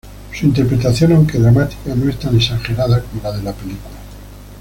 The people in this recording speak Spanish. Su interpretación, aunque dramática, no es tan exagerada como la de la película.